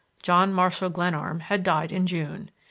John Marshall Glenarm had died in June.